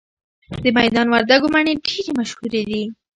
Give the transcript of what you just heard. د میدان وردګو مڼې ډیرې مشهورې دي